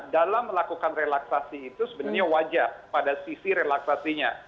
dalam melakukan relaksasi itu sebenarnya wajar pada sisi relaksasinya